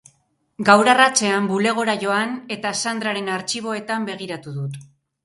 Gaur arratsean bulegora joan eta Sandraren artxiboetan begiratu dut.